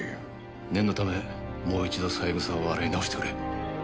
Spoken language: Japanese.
念のためもう一度三枝を洗い直してくれ。